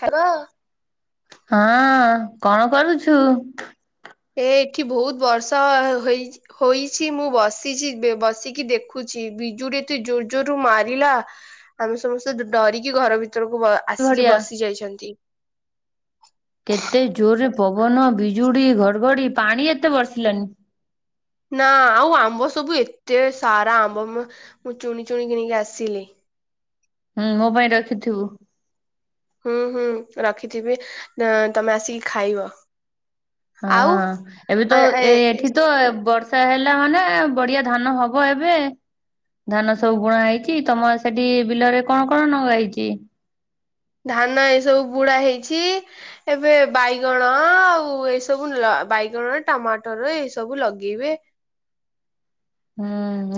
Hello. ହଁ କଣ କରୁଛୁ? ଏ ଏଠି ବହୁତ ବର୍ଷା ହେଇଛି। ହୋଇଛି ମୁଁ ବସିଛି ବସିକି ଦେଖୁଛି ବିଜୁଡି ଏତେ ଜୋର ଜୋରରୁୁ ମାରିଲା। ଆମେ ସମସ୍ତେ ଡରିକି ଘର ଭିତରକୁ ଆସିକି ବଢିଆ ବସି ଯାଇଛନ୍ତି। କେତେ ଜୋରରେ ପବନ ବିଜୁଳି ଘଡଘଡି ପାଣି ଏତେ ବର୍ଷିଲାଣି। ନା ଆଉ ଆମ୍ବ ସବୁ ଏତେ ସାରା ଆମ୍ବ ମୁଁ ଚୁଇଁ, ଚୁଇଁ ଘିଣିକି ଆସିଲି। ହୁଁ ମୋ ପାଇଁ ରଖିଥିବୁ। ହୁଁ ହୁଁ ରଖିଥିବି ତମେ ଆସିକି ଖାଇବ? ହଁ, ଆଉ ଏବେ ତ ଏ ଏଠି ତ ବ ସେ ହେଲା ମାନେ ବଢିଆ ଧାନ ହବ। ଏବେ। ଧାନ ସବୁ ବୁଣା ହେଇଛି। ତମ ସେଠି ବିଲରେ କଣ କଣ ନଗା ହେଇଛି? ଧାନ ଏସବୁ ବୁଣା ହେଇଛି। ଏବେ ବାଇଗଣ ଆଉ ଏସବୁ ବାଇଗଣ ଆଉ ଟମାଟର ଏଇ ସବୁ ଲଗେଇବେ। ହୁଁ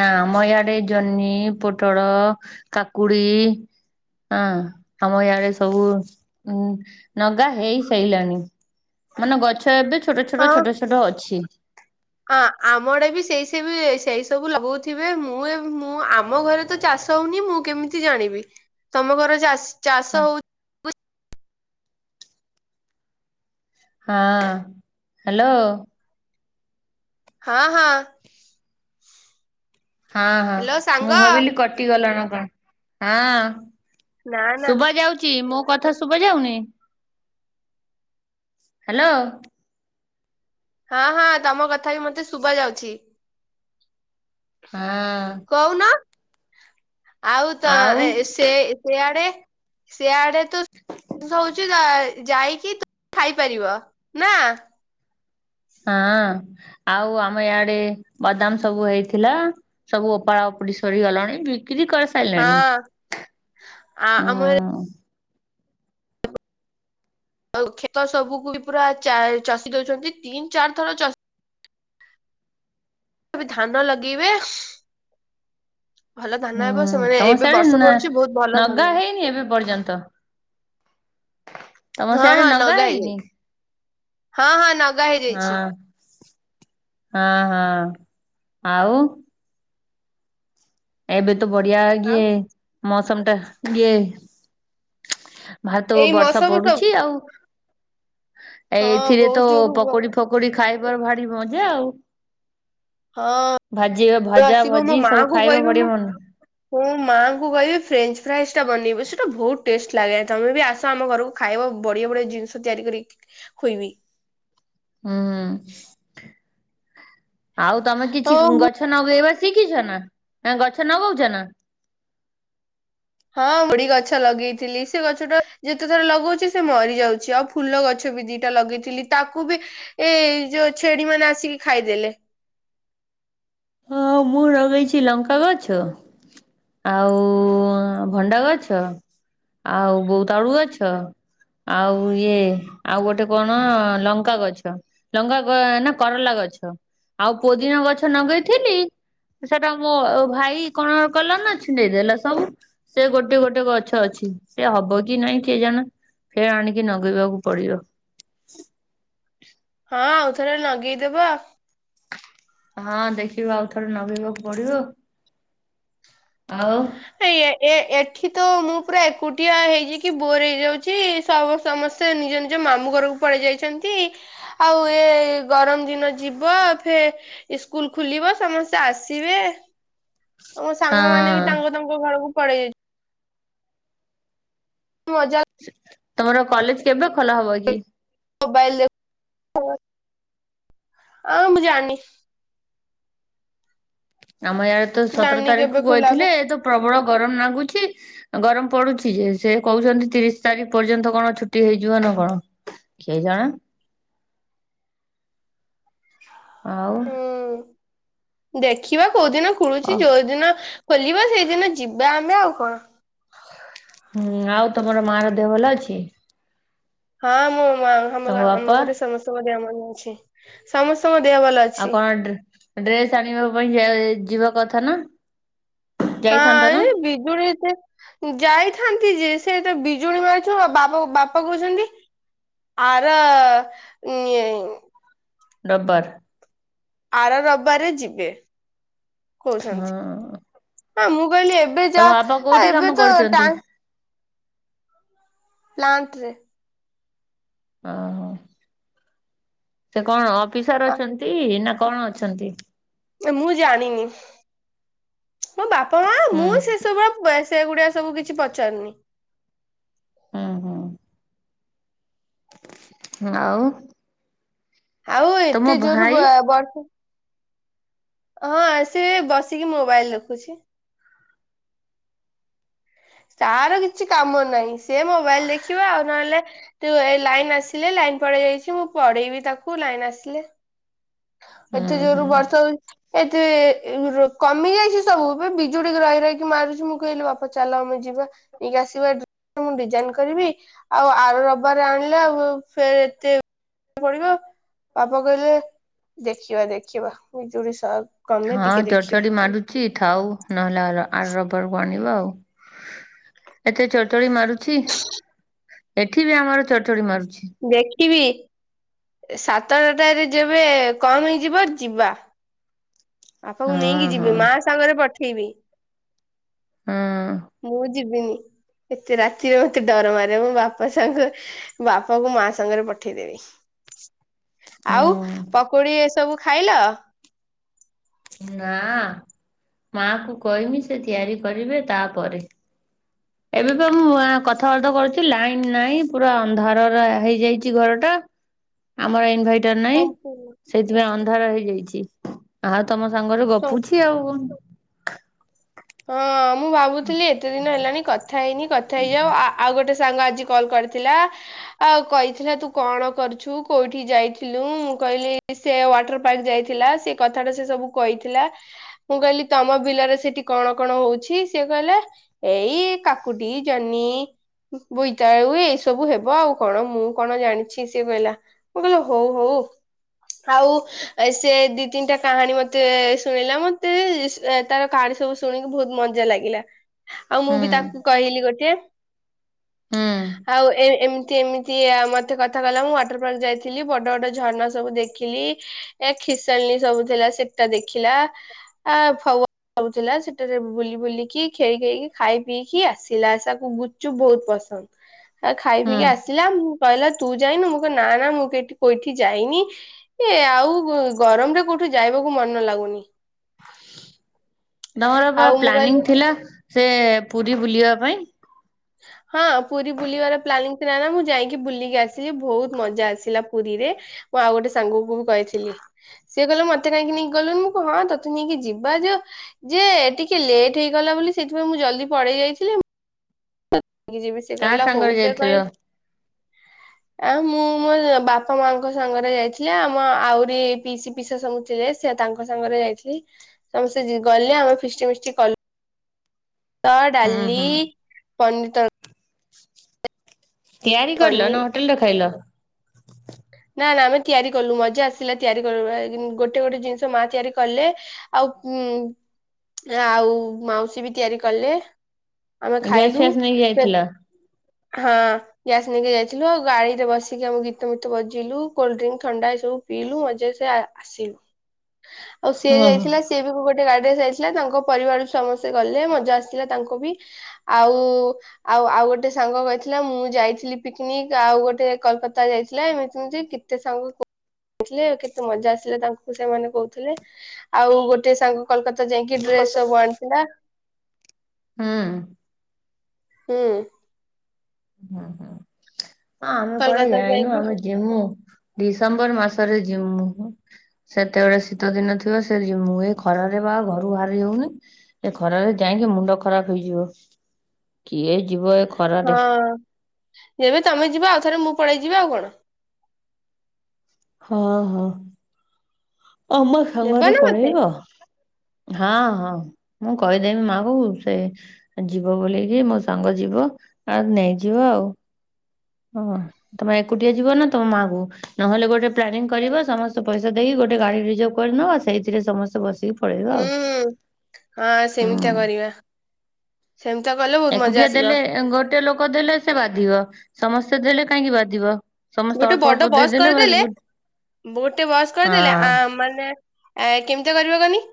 ନା ଆମ ୟାଡେ ଜହ୍ନି, ପୋଟଳ କାକୁଡି। ହଁ, ଆମ ଇଆଡେ ସବୁ ଉୁଁ ନଗା ହେଇସାରିଲଣି। ମାନେ ଗଛ ଏବେ ଛୋଟ, ଛୋଟ ଛୋଟ, ଛୋଟ ଅଛି। ହଁ, ଆମ ଟେ ବି ସେଇ ସେ ବି ସେଇ ସବୁ ଲଗଉଥିବେ ମୁଁ, ମୁଁ ଆମ ଘରେ ତ ଚାଷ ହଉନି ମୁଁ କେମିତି ଜାଣିବି? ତମ ଘର ହଁ ଚାଷ ହଉ ହଁ, ହ୍ୟାଲୋ। ହଁ, ହଁ। ହଁ, ହଁ ହ୍ୟାଲୋ ସାଙ୍ଗ ମୁଁ ଭାବିଲି କ ଗଲା କଣ ହଁ ନା ନା ଶୁଭ ଯାଉ ମୋ କଥା ଶୁଭ ଯାଉନି ହ୍ୟାଲୋ। ହଁ, ହଁ ତମ କଥା ବି ମତେ ଶୁଭା ଯାଉଛି। ହଁ। କହୁନ? ଆଉ ତ ସେ ସେଆଡେ ସେଆଡେ ତ ହଉଚି ଯାଇକି ତୁ ଖାଇପାରିବ ନା? ହଁ ଆଉ ଆମ ୟାଡେ ବାଦାମ ସବୁ ହେଇଥିଲା। ସବୁ ଓପାଡା ଓପୁଡି ସରିଗଲାଣି ବିକ୍ରି କରି ହଁ ଆ ଆମ ହୁଁ। ଆଉ କ୍ଷେତ ସବୁକୁ ବି ପୁରା ଚଷି ଦଉଛନ୍ତି ତିନି ଚାରି ଥର ଚଷି କେବେ ଧାନ ଲଗେଇବେ। ଭଲ ହୁଁ ଧାନ ହେବ ସେମାନେ ତମ ଏବେ ସିଆଡେ ବର୍ଷ ନା ପଡୁଛି ବହୁତ ଭଲ ନଗା ଧାନ ହବା? ହେଇନି ଏବେ ପର୍ଯ୍ୟନ୍ତ ତମ ହଁ, ସିଆଡେ ହଁ ନଗା ଲଗା ହେଇଯାଇଛି ହେଇନି ହଁ, ହଁ ଲଗା ହଁ ହେଇଯାଇଛି। ହଁ, ହଁ ଆଉ ଏବେ ତ ବଢିଆ ଆଉ କିଏ? ମୌସମ ଟା କିଏ? ଭାରାତ ଏଇ ବର୍ଷା ମସବୁ ସବୁ ପଡୁଛି ଆଉ ହଁ ଏଇଥିରେ ତ ବହୁତ ଜୋରୁ ହଁ ପକୋଡି, ଫକୋଡି ଖାଇବାର ଭାରି ମଜା ଆଉ ଭାଜି ଏବେ ଭଜା ଆସିବ ମୋ ଭଜି ସବୁ ମାଆଙ୍କୁ ଖାଇବା କହିବି ବଢିଆ ମନ ମୁଁ ମାଆଙ୍କୁ କହିବି ଫ୍ରେଞ୍ଚ ଫ୍ରାଇଜ ଟା ବନେଇବ ସେଇଟା ବହୁତ ଟେଷ୍ଟ ଲାଗେ ତମେ ବି ଆସ ଆମ ଘରକୁ ଖାଇବା ବଢିଆ, ବଢିଆ ଜିନିଷ ତିଆରି କରି ଖୋଇବି। ହୁଁ ଆଉ ତମେ ହଁ କିଛି ଗ ମୁଁ ଗଛ ନଗେଇବା ଶିଖିଛ ନା ଗଛ ନଗଉଛ ନା? ହଁ ଖୁଡି ଗଛ ଲଗେଇଥିଲି ସେ ଗଛ ଟା ଯେତେଥର ଲଗଉଛି ସେ ମରି ଯାଉଛି। ଫୁଲ ଗଛ ବି ଦିଟା ଲଗେଇଥିଲି। ତାକୁ ବି ଏ ଯୋଉ ଛେଳି ମାନେ ଆସିକି ଖାଇଦେଲେ। ହଁ, ମୁଁ ଲଗେଇଛି ଲଙ୍କା ଗଛ। ଆଉ ଭଣ୍ଡା ଗଛ ଆଉ ବୋଇତାଲୁ ଗଛ। ଆଉ ଇଏ ଆଉ ଗୋଟେ କଣ? ଲଙ୍କା ଗଛ। ଲଙ୍କା ନା କରଲା ଗଛ ଆଉ ପୋଦିନା ଗଛ ଲଗେଇଥିଲି। ସେଟା ମୋ ଭାଇ କଣ କଲ ନା? ଛିଣ୍ଡେଇଦେଲା ସବୁ। ସେ ଗୋଟେ ଗୋଟେ ଗଛ ଅଛି ସେ ହବ କି ନାଇଁ କିଏ ଜାଣ? ଫେ ଆଣିକି ନଗେଇବାକୁ ପଡିବ। ହଁ ଆଉଥରେ ଲଗେଇଦବା। ହଁ ଦେଖିବ ଆଉ ଥରେ ଲଗେଇବାକୁ ପଡିବ ଆଉ ଏ ଏ ଏଠି ତ ମୁଁ ପୁରା ଏକୁଟିଆ ହେଇଯ କି ବୋର ହେଇଯାଉଛି ସମସ୍ତ ସମସ୍ତେ ନିଜ ନିଜ ମାମୁଁ ଘରକୁ ପଳେଇ ଯାଇଛନ୍ତି। ଆଉ ଏ ଗରମ ଦିନ ଯିବ ଫେ ଇ ସ୍କୁଲ ଖୋଲିବ ସମସ୍ତେ ଆସିବେ। ଆମ ସାଙ୍ଗ ହଁ ମାନେବି ତାଙ୍କୁ ତାଙ୍କ ଘରକୁ ପଳେଇ ଯାଇଛି। ମୋ ଅଜା ତମର କଲେଜ କେବେ ଖୋଲା ହବ କି? ମୋବାଇଲ ଦେ ଆଁ ମୁଁ ଜାଣିନି? ଆମ ୟ୍ୟାଦେ ତ ମୁଁ ସତର ଜାଣିନି ତାରିଖ କେବେ କ ଖୋଲା ହବ କହିଥିଲେ ଏ ତ ପ୍ରବଳ ଗରମ ଲାଗୁଛି। ଗରମ ପଡୁଛି ଯେ ସେ କହୁଛନ୍ତି ତିରିଶ ତାରିଖ ପର୍ଯ୍ୟନ୍ତ କଣ ଛୁଟି ହେଇଯିବ ନା କଣ? କେ ଜଣା? [inaudible] ଆଉ ହୁଁ ଦେଖିବା କୋଉଦିନ ଅ ଖୁଲୁଛି ଯୋଉଦିନ ଖୋଲିବା ସେଇଦିନ ଯିବା ଆମେ ଆଉ କଣ? ହୁଁ ଆଉ ତମର ମା ର ଦେହ ଭଲ ଅଛି। ହଁ ମୋ ମାମ ତମ ଆମ ବାପା ଘରେ ସମସ୍ତଙ୍କ ଦେହ ମାନେ ଅଛି ସମସ୍ତଙ୍କ ଦେହ ଭଲ ଅଛି। ଆଉ କଣ ଡ୍ରେସ ଆଣିବା ପାଇଁ ଯିବା କଥା ନା? ହଁ ଯାଇଥାନ୍ତ ନା ଏ ବିିଜୁଳି ଏତେ ଯାଇଥାନ୍ତି ଯେ ସେ ତ ବିଜୁଳି ମାରୁ ଆଉ ବା ବାପା କହୁଛନ୍ତି ଆରଇଏ ହିଁ। ଟପର। ଆର ରବାରେ ଯିବେ କହୁଛନ୍ତି ହଁ ହଁ ମୁଁ କହିଲି ଏବେ ଏ ତମ ଯା ବାପା କୋଉଠି ଏବେ କାମ ତ କରୁଛନ୍ତି? ଟାଙ୍କ ପ୍ଲାଣ୍ଟରେ। ଓହୋ ସେ କଣ ଅଫିସର ଅଛନ୍ତି ନା କଣ ଅଛନ୍ତି? ମୁଁ ଜାଣିନି ମୋ ବାପା ମା ହୁଁ ମୁଁ ସେ ସବୁଳେ ସେଗୁଡଆ ସବୁ କିଛି ପଚାରୁନି? ହଁ ହଁ। ଆଉ ଆଉ ତମ ଏତେ ଜୋର ଭାଇ ବର୍ଷ ହଁ ଆସି ବସିକି ମୋବାଇଲ ଦେଖୁଛି। ତାର କିଛି କାମ ନାହିଁ ସେ ମୋବାଇଲ ଦେଖିବା ଆଉ ନହେଲେ ତୁ ଏ ଲାଇନ ଆସିଲେ ଲାଇନ ପଳେଇ ଯାଇଛି ମୁଁ ପଢେଇବି ତାକୁ ଲାଇନ ଆସିଲେ। ହୁଁ ଏତେ ଯୋର ହୁଁ ବର୍ଷା ହଉଛି। ଏତେ କମି ଯାଇଛି ସବୁ ଏ ବିଜୁଡିକ ରହି ରହିକି ମାରୁଛି ମୁଁ କହିଲି ବାପା ଚାଲ ଆମେ ଯିବା। ନେଇକି ଆସିବା ଡ୍ରେସ। ମୁଁ ଡିଜାଇନ କରିବି ଆଉ ଆର ରବାରରେ ଆଣିଲେ ଆଉ ଫେର୍ ଏତେ ପଡିବ ବାପା କହିଲେ? ଦେଖିବା ଦେଖିବା ବିଜୁଳି ସରୁ। ହଁ ଚଡ ଚଡି ମାରୁୁଛି ଥାଉ ନହେଲା ଆର ରବବାରକୁ ଆଣିବା ଆଉ ଏତେ ଚଡଚଳି ମାରୁଛି ଏଠି ବି ଆମର ଚଡଚଡି ମାରୁଛି। ଦେଖିବି ସାତଟଟାରେ ଯେବେ କମ ହେଇଯିବ ଯିବା। ବାପାକୁ ହଁ ନେଇକି ହଁ ଯିବି ମା ସାଙ୍ଗରେ ପଠେଇବି ହଁ ମୁଁ। ଯିବିନି ଏତେ ରାତିରେ ମତେ ଡର ମାରିବ। ମୋ ବାପା ସାଙ୍ଗ ବାପା କୁ ମା ସାଙ୍ଗରେ ପଠେଇଦେବି। [inaudible] ଆଉ ହୁଁ ପକୁଡି ଏସବୁ ଖାଇଲ? ନା ମା କୁ କଇମି ସେ ତିଆରି କରିବେ ତାପରେ ଏବେ ପା ମୁଁ ଆ କଥାବାର୍ତ୍ତା କରୁଚି ଲାଇନ ନାଇଁ ପୁରା ଅନ୍ଧାରରା ହେଇଯାଇଚି ଘର ଟା। ଆମର ଇନଭେଟର ନାହିଁ ହଁ ସେଥିପାଇଁ ଅନ୍ଧାର ହେଇଯାଇଚି। ତମ ସାଙ୍ଗରେ ଗପୁଚି ଆଉ କଁ। ହଁ ମୁଁ ଭାବୁଥିଲି ଏତେ ଦିନ ହେଲାଣି କଥା ହେଇନି କଥା ହେଇଯାଅ ଆ-ଆଉ ଗୋଟେ ସାଙ୍ଗ ଆଜି କଲ୍ କରିଥିଲା। ଆ କହିଥିଲା ତୁ କଣ କରିଛୁ କୋଉଠି ଯାଇଥିଲୁ ମୁଁ କହିଲି ସେ ୱାଟର ପାର୍କ ଯାଇଥିଲା ସେ କଥାଟା ସେ ସବୁ କହିଥିଲା ମୁଁ କହିଲି ତମ ବିଲରେ ସେଠି କଣ କଣ ହଉଚି ସିଏ କହିଲା ଏଇ କାକୁଡ଼ି ଜହ୍ନି ଉଁ ବୋଇତାଳୁ ଏଇ ସବୁ ହେବ ଆଉ କଣ ମୁଁ କଣ ଜାଣିଚି ସିଏ କହିଲା। ମୁଁ କହିଲି ହଉ ହଉ ଆଉ ସେ ଦି ତିନିଟା କାହାଣୀ ମତେ ଶୁଣେଇଲା ମତେ ତାର କାହାଣୀ ସବୁ ତୁଣୀକି ବହୁତ ମଜା ଲାଗିଲା। ଆଉ ମୁଁ ବି ତାକୁ କହିଲି ଗୋଟେ। ହୁଁ ଆଉ ଏ ଏମିତି ଏମିତି ସିଏ ଆଉ ମତେ କଥା କଲା ମୁଁ ୱାଟର ପାର୍କ ଯାଇଥିଲି ବଡ ବଡ ଝରଣ ସବୁ ଦେଖିଲି। [unintelligible] ରେ ବୁଲି ବୁଲିକି ଖେଳି ଖେଳିକି ଖାଇ ପିଇକି ଆସିଲା। ତାକୁ ଗୁପଚୁପ୍ ବହୁତ ପସନ୍ଦ। ଆ ଖାଇ ପିଇକି ହୁଁ। ଆସିଲା ମୁଁ କହିଲା ତୁ ଯାଇନୁ ମୁଁ କହିନି ନା ନା ମୁଁ କୋଇଠି-କୋଉଠି ଯାଇନି। ଏ ଆଉ ଗରମରେ କୋଉଠି ଯାଇବାକୁ ମନ ଲାଗୁନି। ତମର ପା ଆଉ ମୁଁ କହିଲି ପ୍ଲାନିଙ୍ଗ୍ ଥିଲା ସେ ପୁରୀ ବୁଲିବା ପାଇଁ? ହଁ ପୁରୀ ବୁଲିବାର ପ୍ଲାନିଙ୍ଗ ଥିଲା ନା ମୁଁ ଯାଇକି ବୁଲିକି ଆସିଲି ବହୁତ ମଜା ଆସିଲା ପୁରୀରେ। ମୁଁ ଆଉ ଗୋଟେ ସାଙ୍ଗକୁ କହିଥିଲି। ସିଏ କହିଲା ମତେ କାହିଁକି ନେଇକି ଗଲୁନି? ମୁଁ କ ହଁ ତୋତେ ନେଇକି ଯିବା ଯେ ଯେ ଟିକେ ଲେଟ୍ ହେଇଗଲା ବୋଲି ସେଥିପାଇଁ ମୁଁ ଜଲଦି ପଳେଇ ଯାଇଥିଲି। ମୁଁ [unintelligible] ଯିବି ସେଏ କାହା କହିଲା ହଉ। ସାଙ୍ଗରେ ସେଏ ଯାଇଥିଲ? କହିଲା ଆ ମୁଁ ମୋ ବାପା ମାଙ୍କ ସାଙ୍ଗରେ ଯାଇଥିଲି। ଆମ ଆହୁରି ପିଇସୀ ପିଇସା ସବୁ ଥିଲେ ସେ ତାଙ୍କ ସାଙ୍ଗରେ ଯାଇଥିଲି। ସେ ଗଲେ ଆମେ ଫିଷ୍ଟ ମିଷ୍ଟ କ ଭାତ, ହୁଁ ଡାଲି, ହୁଁ ପନିରି ତରକାରୀ ତିଆରି କରିଲ ପନିର ନା ହୋଟେଲ ଖାଇଲ? ନା ନା ଆମେ ତିଆରି କଲୁ ମଜା ଆସିଲା ତିଆରିବାରେ ଗୋଟେ ଗୋଟେ ଜିନିଷ ମା ତିଆରି କଲେ। ଆଉ କୁ ଆଉ ମାଉସୀ ବି ତିଆରି କଲେ। ଆମେ ଗ୍ୟାସ୍ ଖାଇଲୁ ଫ୍ୟାସ୍ ନେଇକି ସେତ ଯାଇଥିଲ? ହଁ। ଗ୍ୟାସ୍ ନେଇକି ଯାଇଥିଲୁ। ଆଉ ଗାଡି ରେ ବସିକି ଆମେ ଗୀତ ମୀତ ବଜିଇଲୁ କୋଲଡ୍ରିଙ୍କ ଥଣ୍ଡା ଏ ସବୁ ପିଇଲୁ ମଜେସେ ସେ ଆ ସିଲୁ। ଆଉ ସିଏ ହଁ। ଯାଇଥିଲା ସିଏ ବି ବି ଗୋଟେ ଗାଡିରେ ଯାଇଥିଲା ତାଙ୍କ ପରିବାରରୁ ସମସ୍ତେ ଗଲେ ମଜା ଆସିଥିଲା ତାଙ୍କୁ ବି। ଆଉ ଆଉ ଆଉ ଗୋଟେ ସାଙ୍ଗ କହିଥିଲା ମୁଁ ଯାଇ ଥିଲି ପିକନିକ ଆଉ ଗୋଟେ କଲକତା ଯାଇଥିଲା ଏମିତି ଯେ କେତେ ସାଙ୍ଗ କ ଥିଲେ କେତେ ମଜା ଆସିଲା ତାଙ୍କୁ ସେମାନେ କହୁଥିଲେ। ଆଉ ଗୋଟେ ସାଙ୍ଗ କଲକତା ଯାଇକି ଡ୍ରେସ ସବୁ ଆଣିଥିଲା। ହୁଁ। ହୁଁ। ହଁ ହଁ ଆମେ କୁଆଡେ କୋଲକାତା ଯାଇନୁ ଯାଇକି ଆମେ ଯିମୁ ଡିସେମ୍ବର ମାସରେ ଯିମୁ ସେତେବେଳେ ଶୀତ ଦିନ ଥିବ ସେ ଯିମୁ ଏ ଖରାରେ ବା ଘରୁ ବାହାରି ହଉନି। ଏ ଖରାରେ ଯାଇକି ମୁଣ୍ଡ ଖରାପ ହେଇଯିବ କିଏ ଯିବ ଏ ହଁ ଖରାରେ। ଯେବେ ତମେ ଯିବ ଆଉ ଥରେ ମୁଁ ପଳେଇ ଯିବି ଆଉ କଣ? ହଁ ହଁ। ଆମ ନେବ ସାଙ୍ଗରେ ନା ମତେ ପଳେଇବ। ହଁ ହଁ ମୁଁ କହିଦେବି ମାକୁ ସେ ଯିବ ବୋଲିକି ମୋ ସାଙ୍ଗ ଯିବ ଆଉ ନେଇଯିବ ଆଉ। ହଁ ତମେ ଏକୁଟିଆ ଯିବ ନା ତମ ମାକୁ ନହେଲେ ଗୋଟେ ପ୍ଲାନିଂ କରିବା ସମସ୍ତେ ପଇସା ଦେଇକି ଗୋଟେ ଗାଡି ରିଜର୍ଭ କରିନେବା ଆ ସେଇଥିରେ ସମସ୍ତେ ବସିକି ପଳେଇବା ହୁଁ ଆଉ ହୁଁ ହଁ ସେମିତିଆ ହୁଁ କରିବା। ସେମିତିଆ କଲେ ବହୁତ ମଜା ଏକୁଟିଆ ଆସିବ ଦେଲେ ଗୋଟିଏ ଲୋକ ଦେଲେ ସେ ବାଧିବ ସମସ୍ତେ ଦେଲେ କାହିଁକି ବାଧିବ? ସମସ୍ତେ ଗୋଟେ ଅଳ୍ପ ବଡ ଅଳ୍ପ ବସ୍ ଦେଇଦେଲେ ବାସ୍ କରିଦେଲେ ବୁଲ ଗୋଟେ ବସ୍ କରିଦେଲେ ଆ ହଁ ମାନେ ଆ କେମିତି କରିବା କହନି?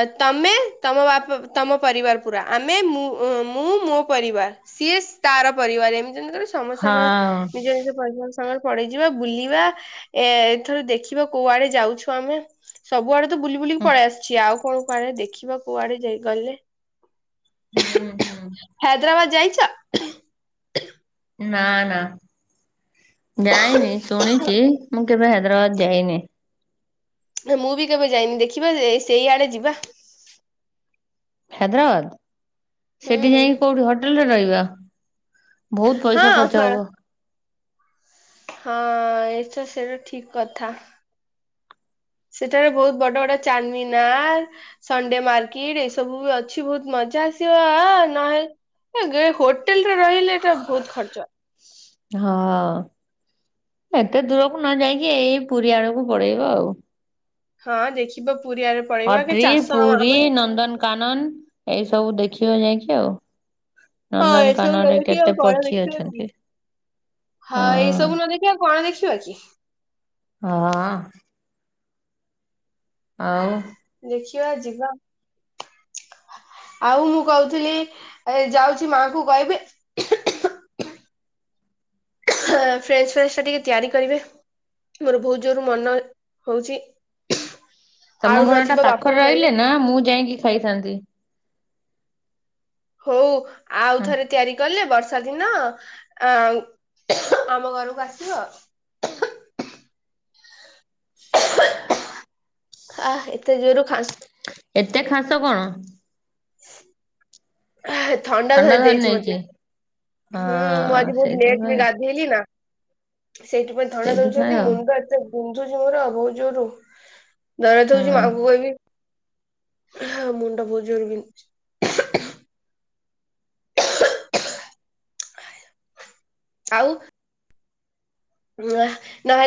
ଆ ତମେ ତମ ବାପା ତମ ପରିବାର ପୁରା ଆମେ ମୁଁ ମୋ ପରିବାର।। ସିଏ ସ୍ଥାର ପରିବାର ଏମିତି ଏମିତି କରି ସମେ ସମେ ହଁ ନିଜ ନିଜ ପରିବାର ସାଙ୍ଗରେ ପଡେଇଯିବା ବୁଲିବା ଏଥର ଦେଖିବା କୋଆଡେ ଯାଉଛୁ ଆମେ? ସବୁଆଡେ ତ ବୁଲି ବୁଲିକି ହୁଁ ପଳେଇ ଆସିଛି। ଆଉ କଣ କୁଆଡେ ଦେଖିବା କୁଆଡେ ଯାଇ ଗଲେ? ହୁଁ ହୁଁ। ହାଇଦ୍ରାବାଦ ଯାଇଛ? ନା ନା ଯାଇନି ଶୁଣିଛି। ମୁଁ କେବେ ହାଇଦ୍ରାବାଦ ଯାଇନି। ନା ମୁଁ ବି କେବେ ଯାଇନି ଦେଖିବାଯେ ସେଇଆଡେ ଯିବା। ହାଇଦ୍ରାବାଦ ହୁଁ ସେଠି ଯାଇକି କୋଉଠି ହୋଟେଲରେ ରହିବା। ବହୁତ ହଁ ପଇସା ଖର୍ଚ୍ଚ ହଁ। ହବ। ହଁ ଏ ତ ସେଇଟା ଠିକ କଥା। ସେଠାରେ ବହୁତ ବଡ ବଡ ଚାରମିନାର। ସଣ୍ଡେ ମାର୍କିଟ୍ ଏ ସବୁ ବି ଅଛି ବହୁତ ମଜା ଆସି ତ୍ ଅ ନହେଲେ ଏ ଗେ ହୋଟେଲରେ ରହିଲେ ଏଟା ବହୁତ ଖର୍ଚ୍ଚ। ହଁ। ଏତେ ଦୂରକୁ ନ ଯାଇକି ଏଇ ପୁରୀ ଆଡକୁ ପଳେଇବ ଆଉ। ହଁ ଦେଖିବା ପୁରୀଆରେ ପଳେଇବା କି ଚାଷ ଆମ ଆମର କାନ୍‌ନ୍‌ ଏଇ ସବୁ ଦେଖିବ ଯାଇକି ଆଉ। ହଁ ଏସବୁ ନନ୍ଦନକାନନରେ ଦେଖିବ ଆଉ କେତେ କଣ ପକ୍ଷୀ ଦେଖିବ କି? ଅଛନ୍ତି। ହଁ ଏଇ ସବୁ ନ ଦେଖି କଣ ଦେଖିବା କି? ହଁ। ଆଉ ଦେଖିବା ଯିବା। ଆଉ ମୁଁ କହୁଥିଲି ଏ ଯାଉଛି ମାଙ୍କୁ କହିବି ଫ୍ରେଞ୍ଚ ପ୍ରାଇସ୍‌ ଟିକେ ତିଆରି କରିବେ। ମୋର ବହୁତ ଜୋର ମନ ହଉଛି। ତମ ଆଳୁ ଘର ଟା ନଥିବ ବାପାଙ୍କୁ ପାଖରେ କହିବି ରହିଲେ ନା ମୁଁ ଯାଇକି ଖାଇଥାନ୍ତି। ହଉ ଆଉ ହଁ ଥରେ ତିଆରି ଗଲେ ବର୍ଷା ଦିନ ଅଂ ଆମ ଘରକୁ ଆସିବ। ଆ ଏତେ ଜୋରରେ ଖାସ ଏତେ ଖାସ କଣ? ଥଣ୍ଡା ଧରି ଦେଇଛି ମତେ। ହୁଁ ମୁଁ ହଁ ଆଜି ବହୁତ ଲେଟ୍ ରେ ସେଇଥିପାଇଁ ଗାଧେଇଲି ନା। ସେଇଥିପାଇଁ ଥଣ୍ଡା ସେଇଥିପାଇଁ ଧଉଛନ୍ତି ଆଉ। ମୁଣ୍ଡ ଏତେ ବିନ୍ଧୁଛି ମୋରଉ ବହୁତ ଜୋର। ଦରଜ ହଉଛି ହଁ। ମାଙ୍କୁ କହିବି। ମୁଣ୍ଡ ବହୁତ ଜୋରରେ ବିନ୍ଧୁଛି। ଆଉ ନାଁ ହେତୁ ଭାଇ